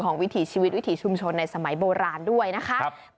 วิถีชีวิตวิถีชุมชนในสมัยโบราณด้วยนะคะ